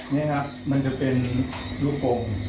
นี่ครับมันจะเป็นลูกโป่ง